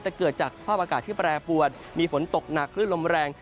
แต่เกิดจากสภาพอากาศที่แปรปวนมีฝนตกหนักคลื่นลมแรง